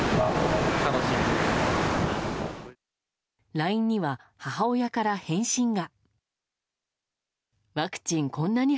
ＬＩＮＥには母親から返信が。